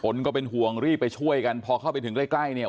ก็เป็นห่วงรีบไปช่วยกันพอเข้าไปถึงใกล้ใกล้เนี่ย